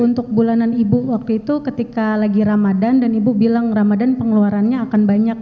untuk bulanan ibu waktu itu ketika lagi ramadan dan ibu bilang ramadan pengeluarannya akan banyak